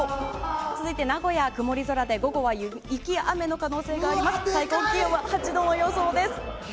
続いて名古屋曇り空で、午後は雪や雨の可能性があります。